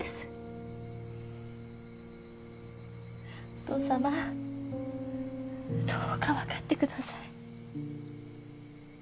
お義父様どうか分かって下さい。